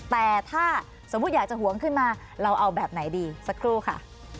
แต่ถ้าสมมุติอยากจะหวงขึ้นมาเราเอาแบบไหนดีสักครู่ค่ะ